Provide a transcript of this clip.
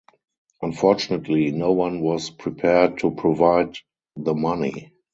Unfortunately no one was prepared to provide the money.